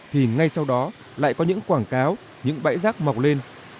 thì ngay sau đó lại có những quảng cáo những bãi rác mọc lên